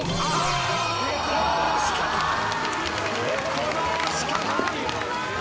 この押し方！